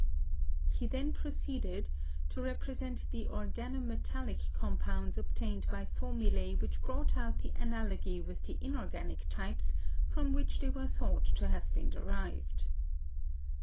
He then proceeded to represent the organo metallic com pounds obtained by formulae which brought out the an alogy with the inorganic types, from which they were thought to have been derived.